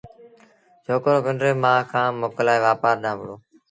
ڇوڪرو پنڊريٚ مآ کآݩ موڪلآئي وآپآر ڏآݩهݩ وهُڙو